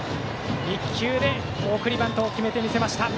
１球で送りバントを決めました。